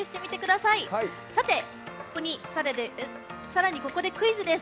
さらに、ここでクイズです。